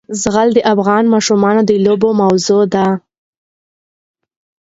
زغال د افغان ماشومانو د لوبو موضوع ده.